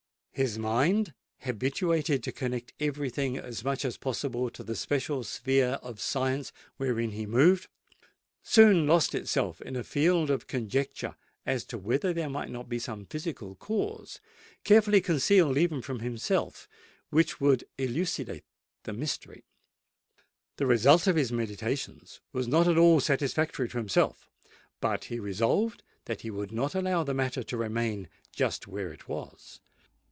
His mind, habituated to connect every thing as much as possible with the special sphere of science wherein he moved, soon lost itself in a field of conjecture as to whether there might not be some physical cause, carefully concealed even from himself, which would elucidate the mystery. The result of his meditations was not at all satisfactory to himself; but he resolved that he would not allow the matter to remain just where it was.